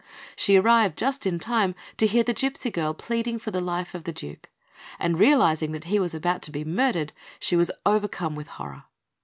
She arrived just in time to hear the gipsy girl pleading for the life of the Duke; and realising that he was about to be murdered, she was overcome with horror.